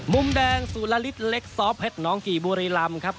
มุมแดงสุรฤทธิเล็กซ้อเพชรน้องกี่บุรีลำครับ